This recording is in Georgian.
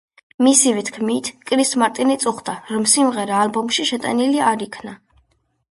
მისივე თქმით, კრის მარტინი წუხდა, რომ სიმღერა ალბომში შეტანილი არ იქნა.